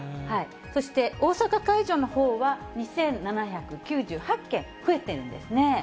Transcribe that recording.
そして大阪会場のほうは、２７９８件増えているんですね。